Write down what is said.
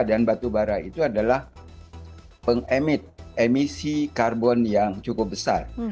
dan batu bara itu adalah pengemis emisi karbon yang cukup besar